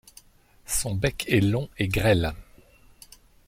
Son bec est long et grêle.